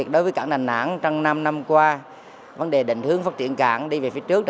đối với cảng đà nẵng trong năm năm qua vấn đề định hướng phát triển cảng đi về phía trước